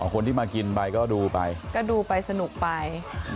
คนที่มากินไปก็ดูไปก็ดูไปสนุกไป